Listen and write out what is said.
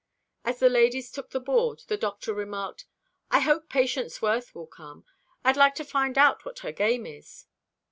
As the ladies took the board, the doctor remarked: "I hope Patience Worth will come. I'd like to find out what her game is."